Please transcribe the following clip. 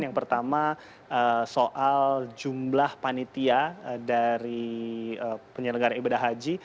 yang pertama soal jumlah panitia dari penyelenggara ibadah haji